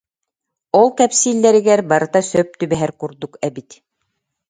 Ол кэпсииллэригэр барыта сөп түбэһэр курдук эбит